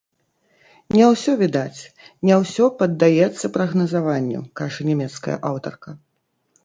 Не ўсё відаць, не ўсё паддаецца прагназаванню, кажа нямецкая аўтарка.